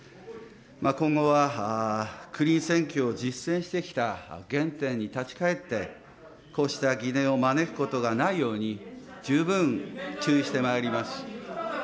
今後はクリーン選挙を実践してきた原点に立ち返って、こうした疑念を招くことがないように、十分注意してまいります。